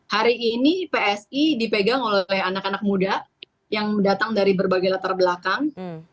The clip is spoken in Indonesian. hari ini psi dipegang oleh anak anak muda yang datang dari berbagai latar belakang